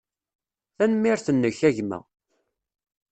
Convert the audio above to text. Tanemmirt-nnek, a gma.